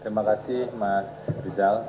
terima kasih mas rizal